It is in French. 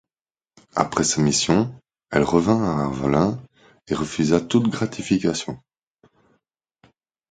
Après sa mission, elle revint à Avelin et refusa toute gratification.